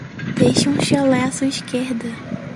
Deixe um chalé à sua esquerda.